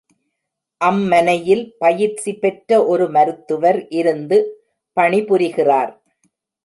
அம்மனையில் பயிற்சி பெற்ற ஒரு மருத்துவர் இருந்து பணிபுரிகிறார்.